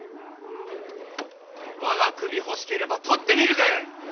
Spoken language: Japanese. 我が首欲しければ取ってみるがよい！